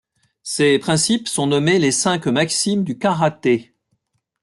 Ces principes sont nommés les Cinq maximes du karaté.